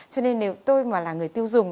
cho nên nếu tôi mà là người tiêu dùng